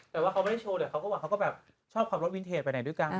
แต่ว่าเขาไม่ได้โชว์แต่เขาก็บอกเขาก็แบบชอบขับรถวินเทจไปไหนด้วยกัน